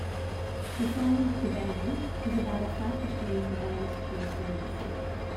The song "The Band" is about a fight between the band's two singers.